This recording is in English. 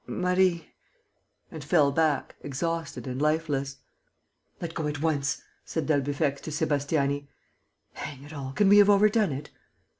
Marie...." and fell back, exhausted and lifeless. "Let go at once!" said d'Albufex to Sébastiani. "Hang it all, can we have overdone it?"